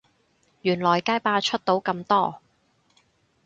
原來街霸出到咁多